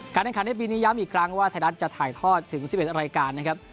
ในขันในปีนี้ย้ำอีกครั้งว่าไทยรัฐจะถ่ายทอดถึง๑๑รายการนะครับ